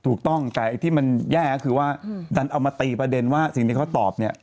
ถูกต้องแต่ไอ้ที่มันแย่ก็คือว่าดันเอามาตีประเด็นว่าสิ่งที่เขาตอบเนี่ย